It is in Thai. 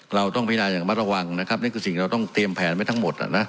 เราต้องพินาอย่างมัดระวังนะครับนั่นคือสิ่งเราต้องเตรียมแผนไว้ทั้งหมด